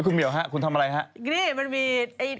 คุณเหมียวฮะคุณทำอะไรฮะนี่มันมี